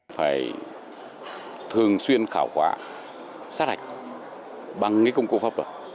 phải thường xuyên khảo quả